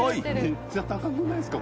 めっちゃ高くないですか？